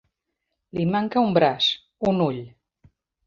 Li manca un braç, un ull.